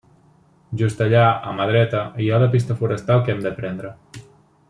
Just allà, a mà dreta, hi ha la pista forestal que hem de prendre.